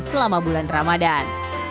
selama bulan ramadhan